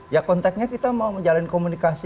ya konteknya kita mau menjalin komunikasi